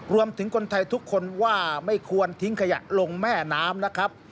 รวมถึงคนไทยทุกคนว่าไม่ควรทิ้งขยะลงแม่น้ำนะครับ